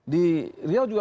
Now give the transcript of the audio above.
di riau itu susah juga